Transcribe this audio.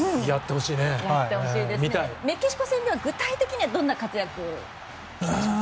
メキシコ戦では具体的にはどんな活躍を？